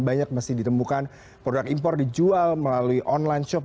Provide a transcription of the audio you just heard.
banyak mesti ditemukan produk impor dijual melalui online shop